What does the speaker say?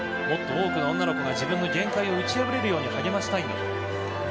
もっと多くの女の子が自分の限界を打ち破れるように励ましたいんだと。